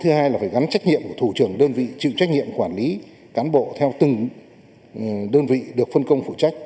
thứ hai là phải gắn trách nhiệm của thủ trưởng đơn vị chịu trách nhiệm quản lý cán bộ theo từng đơn vị được phân công phụ trách